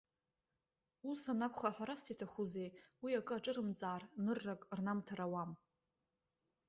Ус анакәха, ҳәарас иаҭахузеи, уи акы аҿырымҵаар, ныррак рнамҭар ауам.